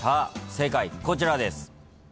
正解こちらです。